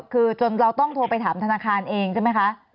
คือจนเราต้องโทรไปถามธนาคารเองใช่ไหมคะ